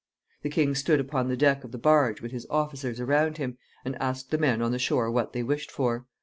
The king stood upon the deck of the barge, with his officers around him, and asked the men on the shore what they wished for.